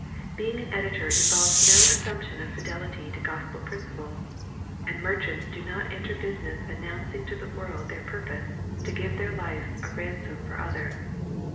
Being an editor involves no assumption of fidelity to gospel principles, and merchants do not enter business announcing to the world their purpose to give their life a ransom for others.